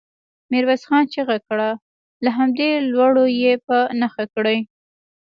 ميرويس خان چيغه کړه! له همدې لوړو يې په نښه کړئ.